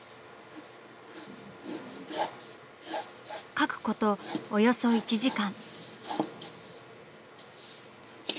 描くことおよそ１時間。